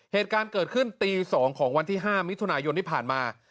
เหตุการณ์เกิดขึ้นตี๒ของวันที่๕มิถุนายนที่ผ่านมา